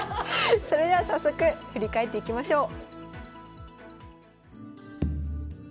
それでは早速振り返っていきましょう。